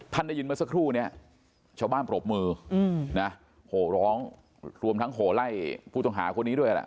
ท่านได้ยินมาสักครู่ชาวบ้านปรบมือโหร้องรวมทั้งโหไล่ผู้ต่องหาคนนี้ด้วย